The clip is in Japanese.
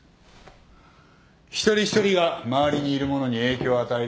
一人一人が周りにいる者に影響を与えるということだ。